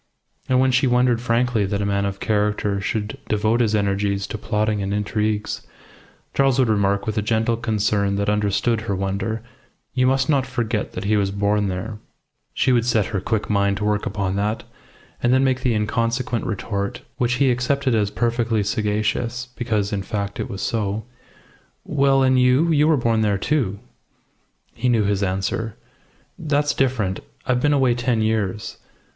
And when she wondered frankly that a man of character should devote his energies to plotting and intrigues, Charles would remark, with a gentle concern that understood her wonder, "You must not forget that he was born there." She would set her quick mind to work upon that, and then make the inconsequent retort, which he accepted as perfectly sagacious, because, in fact, it was so "Well, and you? You were born there, too." He knew his answer. "That's different. I've been away ten years.